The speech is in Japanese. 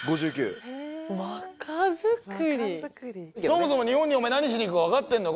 そもそも日本に何しに行くか分かってんのか？